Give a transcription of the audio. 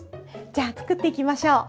じゃあ作っていきましょう。